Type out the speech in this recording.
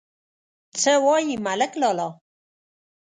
_څه وايې ملک لالا ؟